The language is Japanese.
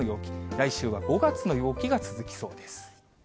来週は５月の陽気が続きそうです。